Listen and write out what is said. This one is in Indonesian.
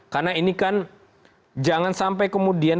karena ini kan jangan sampai kemudian